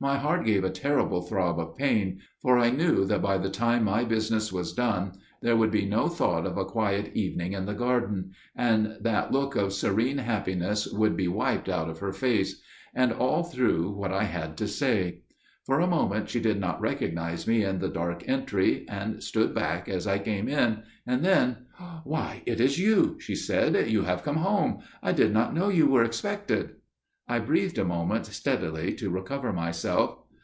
My heart gave a terrible throb of pain––for I knew that by the time my business was done there would be no thought of a quiet evening in the garden, and that look of serene happiness would be wiped out of her face––and all through what I had to say. For a moment she did not recognise me in the dark entry and stood back as I came in, and then–––– "'Why it is you,' she said; 'you have come home. I did not know you were expected.' "I breathed a moment steadily to recover myself.